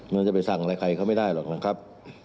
มันจะไปสั่งอะไรใครเขาไม่ได้หรอกนะครับ